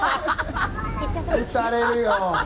打たれるよ。